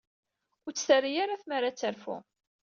Ur tt-terri ara tmara ad terfu.